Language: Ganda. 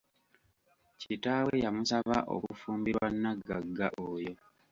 Kitaawe yamusaba okufumbirwa nagagga oyo.